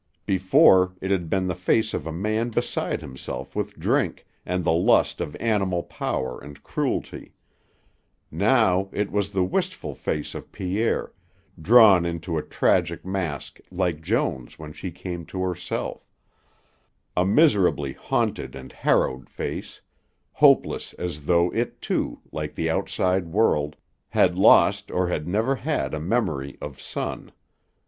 Before, it had been the face of a man beside himself with drink and the lust of animal power and cruelty; now it was the wistful face of Pierre, drawn into a tragic mask like Joan's when she came to herself; a miserably haunted and harrowed face, hopeless as though it, too, like the outside world, had lost or had never had a memory of sun.